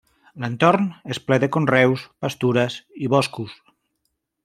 L'entorn és ple de conreus, pastures i boscos.